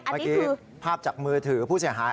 เมื่อกี้ภาพจากมือถือผู้เสียหาย